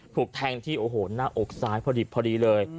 ถูกแทงที่โอ้โหหน้าอกซ้ายพอดีเลย